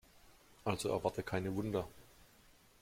Also erwarte keine Wunder.